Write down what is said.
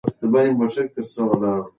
انا غوښتل چې یو ځل بیا د ماشوم مخ وویني.